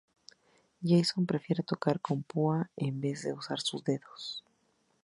Jason prefiere tocar con púa en vez de usar sus dedos.